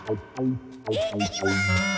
行ってきます！